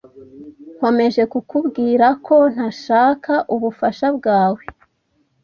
Nkomeje kukubwira ko ntashaka ubufasha bwawe.